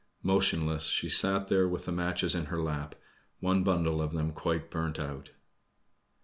Motionless she sat there with the matches in her lap, one bundle of them quite burnt out.